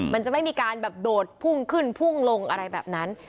มันจะไม่มีการแบบโดดพุ่งขึ้นพุ่งลงอะไรแบบนั้น